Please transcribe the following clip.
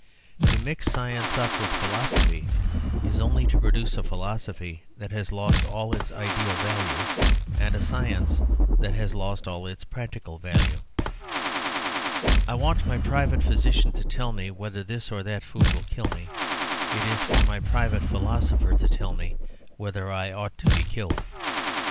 To mix science up with philosophy is only to produce a philosophy that has lost all its ideal value and a science that has lost all its practical value. I want my private physician to tell me whether this or that food will kill me. It is for my private philosopher to tell me whether I ought to be killed.